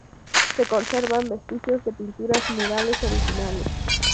Se conservan vestigios de pinturas murales originales.